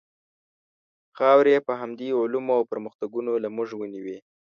خاورې یې په همدې علومو او پرمختګونو له موږ ونیوې.